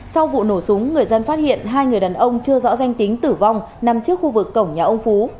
sau vụ nổ súng người dân phát hiện hai người đàn ông chưa rõ danh tính tử vong nằm trước khu vực cổng nhà ông phú